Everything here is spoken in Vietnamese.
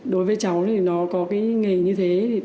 đối với cháu thì nó có cái nghề như thế